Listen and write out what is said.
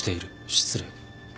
失礼。